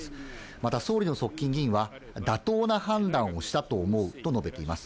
また、総理の側近議員は、妥当な判断をしたと思うと述べています。